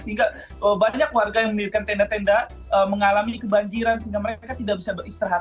sehingga banyak warga yang memiliki tenda tenda mengalami kebanjiran sehingga mereka tidak bisa beristirahat